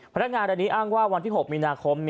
พนักงานอันนี้อ้างว่าวันที่๖มีนาคม